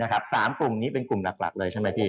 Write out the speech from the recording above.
๓กลุ่มนี้เป็นกลุ่มหลักเลยใช่ไหมพี่